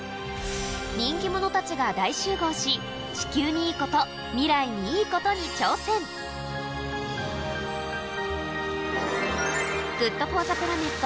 人気者たちが大集合し、地球にいいこと、未来にいいことに挑戦。ＧｏｏｄＦｏｒｔｈｅＰｌａｎｅｔ